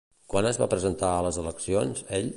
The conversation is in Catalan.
Quan es va presentar a les eleccions, ell?